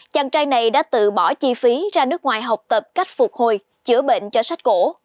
chàng trai này đã tự bỏ chi phí ra nước ngoài học tập cách phục hồi chữa bệnh cho sách cổ